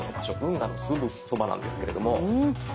運河のすぐそばなんですけれども。